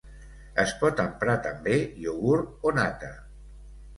Es pot emprar també iogurt o nata.